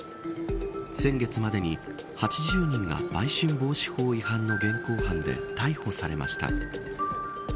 先月までに８０人が売春防止法違反の現行犯で逮捕されました。